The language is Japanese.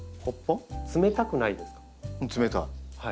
冷たい。